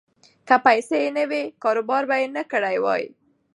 که پیسې یې نه وی، کاروبار به یې نه کړی وای.